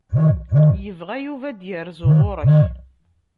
Yebɣa Yuba ad d-irzu ɣur-k.